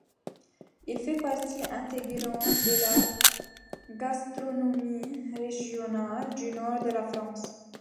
Il fait partie intégrante de la gastronomie régionale du nord de la France.